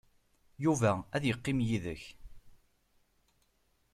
Yuba ad yeqqim yid-k.